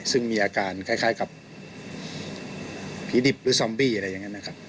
ซึ่งมีอาการคล้ายกับผีดิบหรือซอมบี้อะไรอย่างนั้นนะครับ